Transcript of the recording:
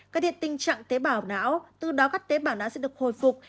cải thiện tình trạng tế bảo não từ đó các tế bảo não sẽ được hồi phục